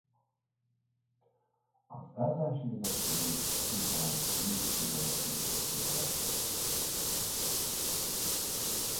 Az ellenségeskedés ezután évtizedekig kitartott.